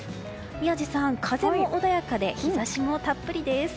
宮司さん、風も穏やかで日差しもたっぷりです。